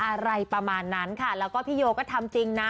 อะไรประมาณนั้นค่ะแล้วก็พี่โยก็ทำจริงนะ